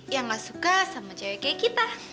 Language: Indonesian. yang gak suka sama cewek cewek kita